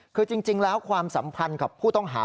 คือจริงแล้วความสัมพันธ์กับผู้ต้องหา